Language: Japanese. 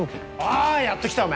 あやっと来たお前！